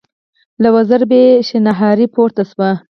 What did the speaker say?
له وزرو به يې شڼهاری پورته شو.